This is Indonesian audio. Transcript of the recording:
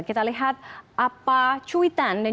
kita lihat apa cuitan